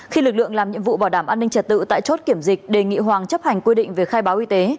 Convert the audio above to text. khi lực lượng làm nhiệm vụ bảo đảm an ninh trật tự tại chốt kiểm dịch đề nghị hoàng chấp hành quy định về khai báo y tế